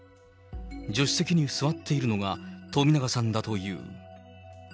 助手席に座っているのが冨永さんだという。